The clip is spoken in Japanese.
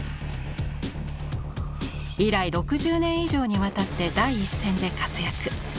以来６０年以上にわたって第一線で活躍。